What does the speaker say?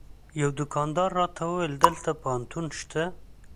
یوه دوکاندار راته وویل دلته پوهنتون شته.